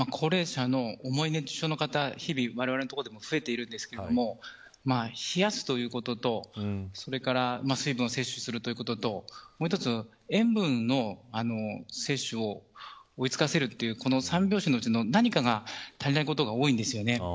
高齢者の重い熱中症の方日々、われわれのところでも増えているんですが冷やすということとそれから水分を摂取するということともう一つ、塩分の摂取を追いつかせるという三拍子のうちの何かが足りないことが多いんです。